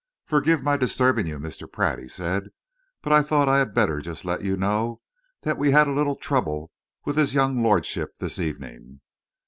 "Forgive my disturbing you, Mr. Pratt," he said, "but I thought I had better just let you know that we've had a little trouble with his young lordship this evening."